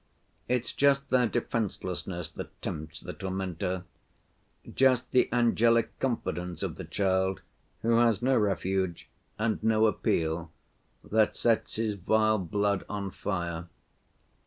It's just their defenselessness that tempts the tormentor, just the angelic confidence of the child who has no refuge and no appeal, that sets his vile blood on fire.